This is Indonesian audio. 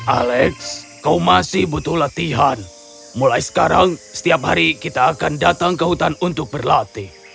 alex kau masih butuh latihan mulai sekarang setiap hari kita akan datang ke hutan untuk berlatih